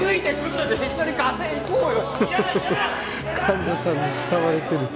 フフフ患者さんに慕われてる。